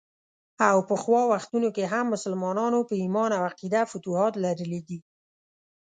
او پخوا وختونو کې هم مسلمانانو په ايمان او عقیده فتوحات لرلي دي.